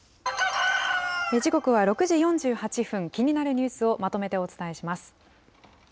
時刻は６時４８分、気になるニュースをまとめてお伝えします。